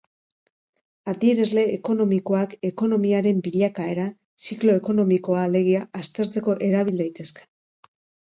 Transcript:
Adierazle ekonomikoak ekonomiaren bilakaera, ziklo ekonomikoa alegia, aztertzeko erabil daitezke.